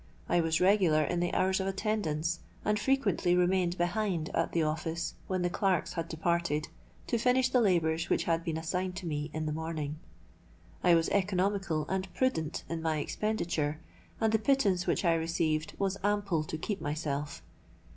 I was regular in the hours of attendance, and frequently remained behind at the office, when the clerks had departed, to finish the labours which had been assigned to me in the morning. I was economical and prudent in my expenditure; and the pittance which I received was ample to keep myself.